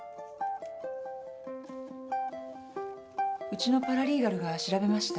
ウチのパラリーガルが調べました。